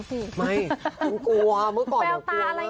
ไม่ไม่กลัวเมื่อก่อนเหลือเกลียวมาก